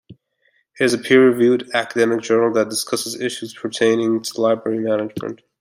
It is a peer-reviewed academic journal that discusses issues pertaining to library management.